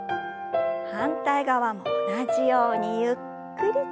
反対側も同じようにゆっくりと。